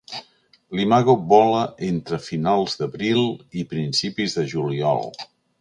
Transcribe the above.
L'imago vola entre finals d'abril i principis de juliol.